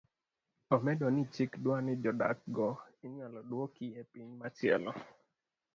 Omedo ni chik dwani jodak go inyalo duoki epiny machielo